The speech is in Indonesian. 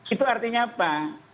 nah itu artinya apa